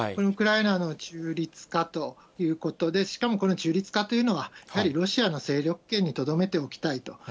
ウクライナの中立化ということで、しかもこの中立化というのは、やはりロシアの勢力圏にとどめておきたいと。